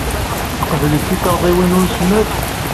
Tqebbled tikarḍiwin n wesmad?